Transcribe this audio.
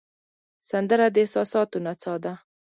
سندره د احساساتو نڅا ده